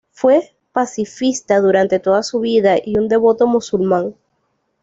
Fue pacifista durante toda su vida y un devoto musulmán.